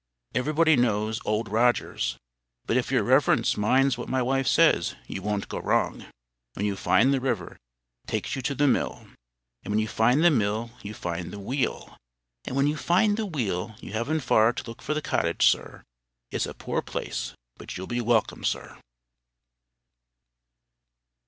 "Everybody knows Old Rogers. But if your reverence minds what my wife says, you won't go wrong. When you find the river, it takes you to the mill; and when you find the mill, you find the wheel; and when you find the wheel, you haven't far to look for the cottage, sir. It's a poor place, but you'll be welcome, sir."